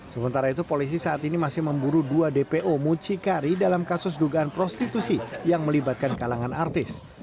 sementara itu polisi saat ini masih memburu dua dpo mucikari dalam kasus dugaan prostitusi yang melibatkan kalangan artis